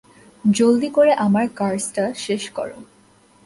জলদি করে আমার কার্সটা শেষ করো!